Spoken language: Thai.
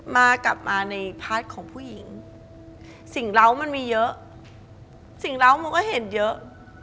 มากลับมาในพาร์ทของผู้หญิงสิ่งเหล้ามันมีเยอะสิ่งเหล้ามันก็เห็นเยอะ